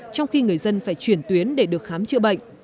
trong khi người dân phải chuyển tuyến để được khám chữa bệnh